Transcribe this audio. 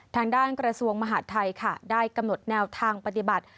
กระทรวงมหาดไทยค่ะได้กำหนดแนวทางปฏิบัติ